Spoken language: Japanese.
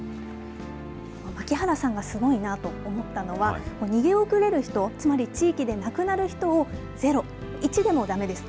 槙原さんがすごいなと思ったのは、逃げ遅れる人、つまり地域で亡くなる人をゼロ、１でもだめです。